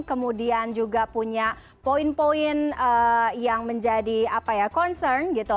kemudian juga punya poin poin yang menjadi concern gitu